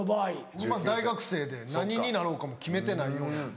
僕は大学生で何になろうかも決めてないような。